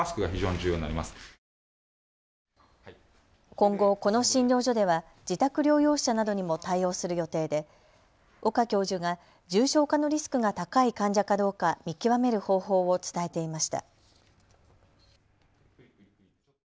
今後、この診療所では自宅療養者などにも対応する予定で岡教授が重症化のリスクが高い患者かどうか見極める方法を伝えていました。